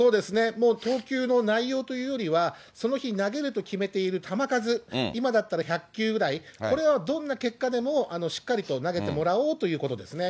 もう投球の内容というよりはその日、投げると決めている球数、今だったら１００球ぐらい、これはどんな結果でもしっかりと投げてもらおうということですね。